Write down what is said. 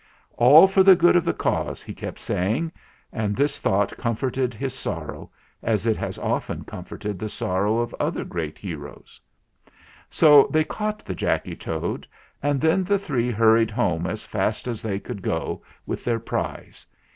"All for the good of the cause," he kept say THE GALLOPER 215 ing; and this thought comforted his sorrow, as it has often comforted the sorrow of other great heroes. So they caught the Jacky Toad, and then the three hurried home as fast as they could go with their prize.